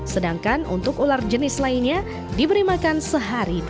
sedangkan untuk ular jenis lainnya diberi makan sehari hari